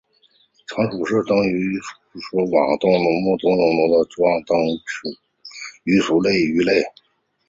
长鳍壮灯鱼为辐鳍鱼纲灯笼鱼目灯笼鱼科壮灯鱼属的鱼类。